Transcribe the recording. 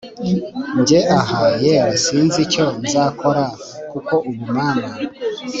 Njye ahaaa yewe sinzi icyo nzakora kuko ubu mama